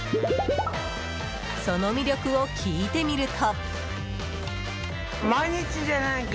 その魅力を聞いてみると。